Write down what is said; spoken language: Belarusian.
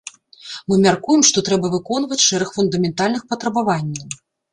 Мы мяркуем, што трэба выконваць шэраг фундаментальных патрабаванняў.